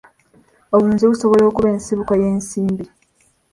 Obulunzi busobola okuba ensibuko y'ensimbi.